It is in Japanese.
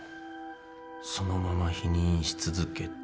そのまま否認し続けて